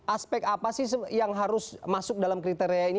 aspek apa sih yang harus masuk dalam kriteria ini